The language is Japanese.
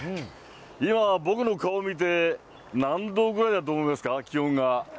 今、僕の顔見て、何度ぐらいだと思いますか、気温が。